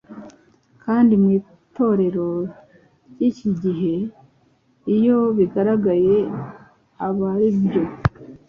kandi mu Itorero ry’iki gihe iyo bigaragaye aba aribyo